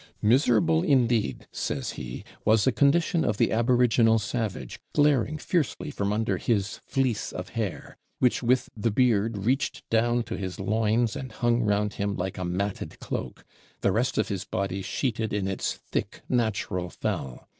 "Miserable indeed," says he, "was the condition of the Aboriginal Savage, glaring fiercely from under his fleece of hair, which with the beard reached down to his loins, and hung round him like a matted cloak; the rest of his body sheeted in its thick natural fell.